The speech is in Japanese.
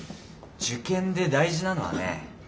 受験で大事なのはね